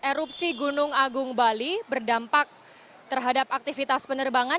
erupsi gunung agung bali berdampak terhadap aktivitas penerbangan